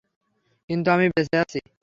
কিন্তু আমি বেঁচে আছি।